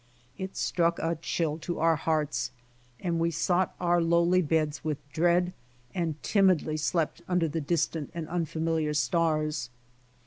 It struck a chill to our hearts, and Ave sought our lowly beds with dread, and timidly slept under the distant and unfamiliar stars.